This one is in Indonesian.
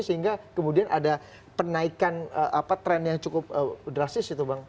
sehingga kemudian ada penaikan tren yang cukup drastis itu bang